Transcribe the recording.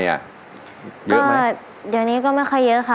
เยอะไหมเดี๋ยวนี้ก็ไม่ค่อยเยอะค่ะ